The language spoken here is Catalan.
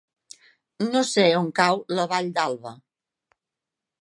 No sé on cau la Vall d'Alba.